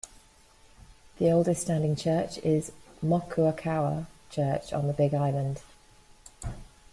The oldest standing church is Mokuaikaua Church on the Big Island.